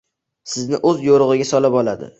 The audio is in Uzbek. Sizni o‘z yo‘rig‘iga solib oladi.